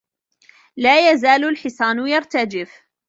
لا يزال الحصان يرتجف.